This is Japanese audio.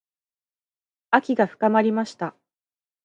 秋が深まりました。